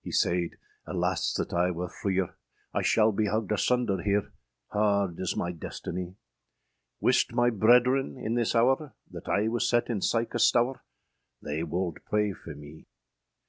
Hee sayd, âAlas that I wer freer, I shal bee hugged asunder here, Hard is my destinie! Wiste my brederen, in this houre, That I was set in sike a stoure, They wolde pray for mee!